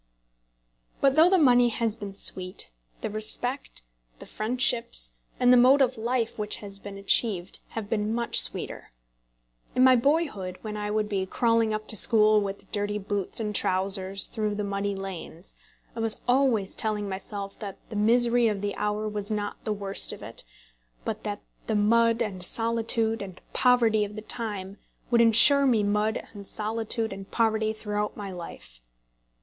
But though the money has been sweet, the respect, the friendships, and the mode of life which has been achieved, have been much sweeter. In my boyhood, when I would be crawling up to school with dirty boots and trousers through the muddy lanes, I was always telling myself that the misery of the hour was not the worst of it, but that the mud and solitude and poverty of the time would insure me mud and solitude and poverty through my life.